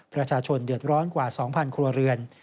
ประชาชนเดือดร้อนกว่า๒๐๐ครัวเรือน